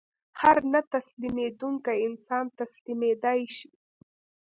هر نه تسلیمېدونکی انسان تسلیمېدای شي